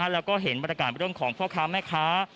แล้วก็เห็นบรรยากาศเรื่องของพ่อค้าแม่ค้า